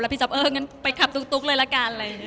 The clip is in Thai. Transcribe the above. แล้วพี่จ๊อปเอองั้นไปขับตุ๊กตุ๊กเลยละกันเลย